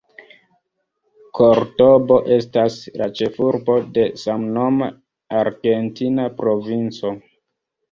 Kordobo estas la ĉefurbo de samnoma argentina provinco.